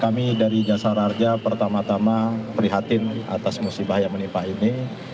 kami dari jasara harja pertama tama prihatin atas musibah yang menimpa ini